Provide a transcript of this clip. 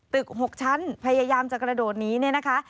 ตึก๖ชั้นพยายามจะกระโดดหนีเนี่ยนะคะ